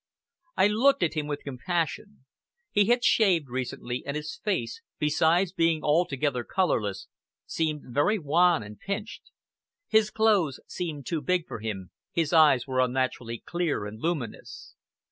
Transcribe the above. I looked at him with compassion. He had shaved recently, and his face, besides being altogether colorless, seemed very wan and pinched. His clothes seemed too big for him, his eyes were unnaturally clear and luminous.